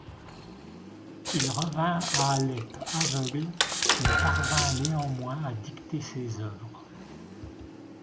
Il revint à Alep aveugle, mais parvint néanmoins à dicter ses œuvres.